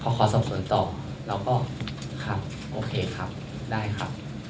ขอสอบสวนต่อเราก็ครับโอเคครับได้ครับ